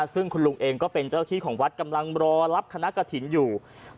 ซึ่งคุณลุงเองก็เป็นเจ้าที่ของวัดกำลังรอรับคณะกระถิ่นอยู่